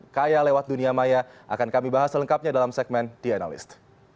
kaya lewat dunia maya akan kami bahas selengkapnya dalam segmen the analyst